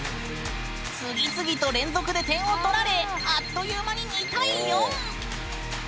次々と連続で点を取られあっという間に２対４！